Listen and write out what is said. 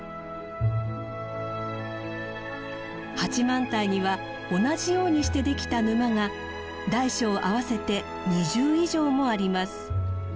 八幡平には同じようにしてできた沼が大小合わせて２０以上もあります。